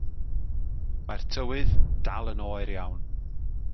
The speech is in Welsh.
Mae'r tywydd yn dal yn oer iawn.